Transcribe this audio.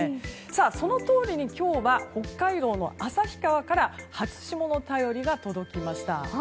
そのとおりに今日は北海道の旭川から初霜の便りが届きました。